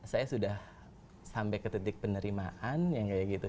saya sudah sampai ke titik penerimaan yang kayak gitu